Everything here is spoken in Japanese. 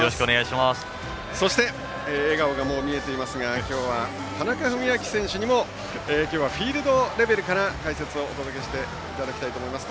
そして笑顔がもう見えていますが今日は田中史朗選手にもフィールドレベルから解説をお届けしていただきたいと思います。